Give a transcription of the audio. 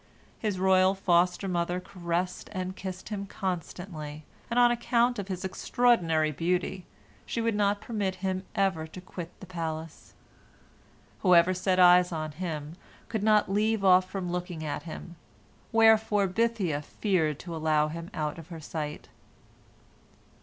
His royal foster mother caressed and kissed him constantly, and on account of his extraordinary beauty she would not permit him ever to quit the palace. Whoever set eyes on him, could not leave off from looking at him, wherefore Bithiah feared to allow him out of her sight.